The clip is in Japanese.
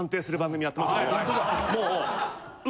もう。